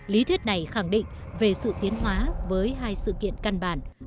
lý thuyết này khẳng định về sự tiến hóa với hai sự kiện căn bản